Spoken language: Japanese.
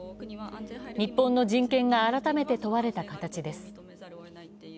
日本の人権が改めて問われた形です。